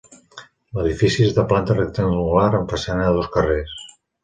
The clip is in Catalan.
L'edifici és de planta rectangular amb façana a dos carrers.